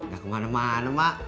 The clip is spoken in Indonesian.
gak kemana mana mak